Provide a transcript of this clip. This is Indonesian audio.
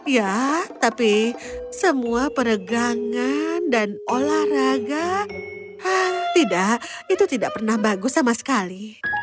ya tapi semua peregangan dan olahraga tidak itu tidak pernah bagus sama sekali